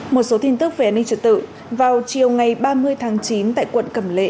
một số tin tức về an ninh trật tự vào chiều ngày ba mươi tháng chín tại quận cẩm lệ